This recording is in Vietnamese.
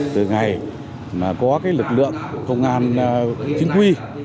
từ ngày mà có lực lượng công an chính quy